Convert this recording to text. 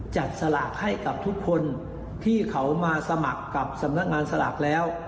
สลากให้กับทุกคนที่เขามาสมัครกับสำนักงานสลากแล้ว